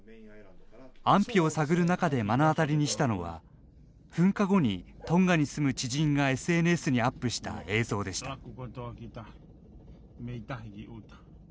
安否を探る中で目の当たりにしたのは噴火後にトンガに住む知人がＳＮＳにアップした映像でした。